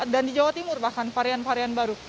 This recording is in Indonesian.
dan di jawa timur bahkan varian varian baru